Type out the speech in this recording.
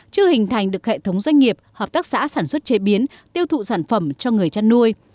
chưa hình thành được hệ thống doanh nghiệp hợp tác xã sản xuất chế biến tiêu thụ sản phẩm cho người chăn nuôi